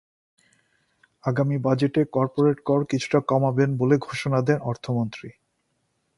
আগামী বাজেটে করপোরেট কর কিছুটা কমাবেন বলে ঘোষণা দেন অর্থমন্ত্রী।